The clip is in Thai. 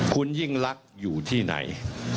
คุณยิ่งลักษณ์อยู่ที่ไหน